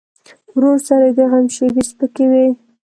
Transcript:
ورور سره د غم شیبې سپکې وي.